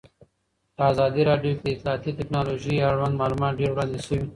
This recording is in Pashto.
په ازادي راډیو کې د اطلاعاتی تکنالوژي اړوند معلومات ډېر وړاندې شوي.